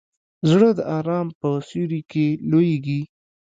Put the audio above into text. زړه د ارام په سیوري کې لویېږي.